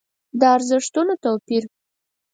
د ارزښتونو توپير.